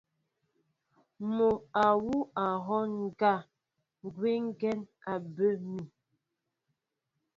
Mɔ awʉ̌ a hɔ́ɔ́ŋ ŋgá ŋgʉ́əŋgeŋ á bə mi.